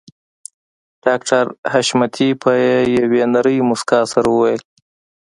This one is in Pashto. ډاکټر حشمتي په يوې نرۍ مسکا سره وويل